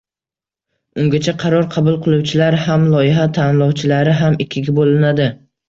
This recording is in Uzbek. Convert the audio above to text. Ungacha qaror qabul qiluvchilar ham, loyiha tanlovchilari ham ikkiga bo'linadi